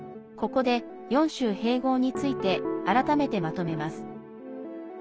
ここで、４州併合について改めてまとめます。